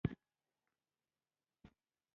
کیهاني وړانګې د فضا څخه ځمکې ته راځي.